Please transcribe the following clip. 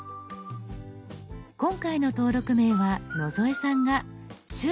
今回の登録名は野添さんが「趣味野添」。